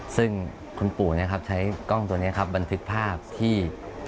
ซึ่งคุณปู่ใช้กล้องตัวนี้ครับบันทึกภาพที่